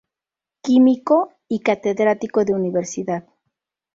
Químico y Catedrático de Universidad.